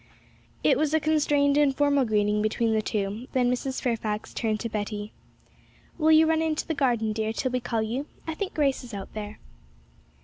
It was a constrained and formal greeting between the two; and then Mrs. Fairfax turned to Betty, 'Will you run into the garden, dear, till we call you? I think Grace is out there.'